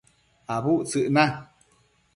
Abudtsëc na